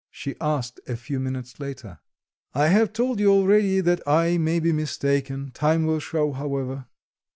she asked a few minutes later. "I have told you already that I may be mistaken; time will show, however."